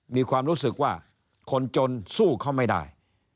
มีความรู้สึกว่าคนจนสู้เขาไม่ได้